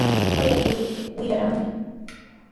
Qayakuriptii wiyaramanmi.